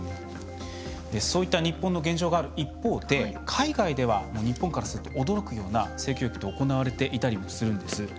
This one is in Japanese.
そういった日本の現状がある一方で海外では日本からすると驚くような性教育が行われていたりもするんです。